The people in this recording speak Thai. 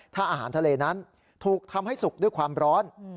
ถ้าอาหารทะเลนั้นถูกทำให้สุกด้วยความร้อน